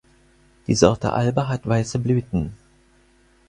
Die Sorte 'Alba' hat weiße Blüten.